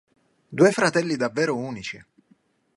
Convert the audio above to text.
Due fratelli davvero unici!